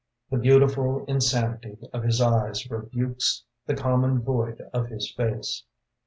The beautiful insanity Of his eyes rebukes The common void of his face.